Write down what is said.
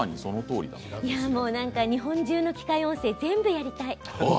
日本中の機械音声全部やりたい。